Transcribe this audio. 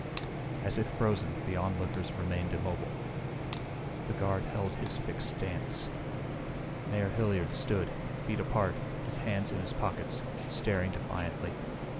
As if frozen, the onlookers remained immobile. The guard held his fixed stance. Mayor Hilliard stood, feet apart, his hands in his pockets, staring defiantly.